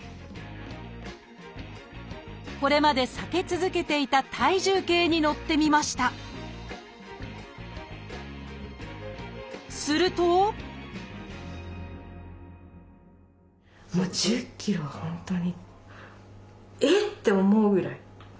これまで避け続けていた体重計に乗ってみましたするとえっ！？と思うぐらい。